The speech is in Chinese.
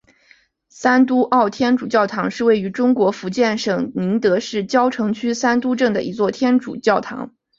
三都澳天主教堂是位于中国福建省宁德市蕉城区三都镇的一座天主教堂。